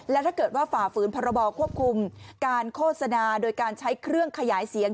และถ้าเกิดว่าฝ่าฝืนพรบควบคุมการโฆษณาโดยการใช้เครื่องขยายเสียง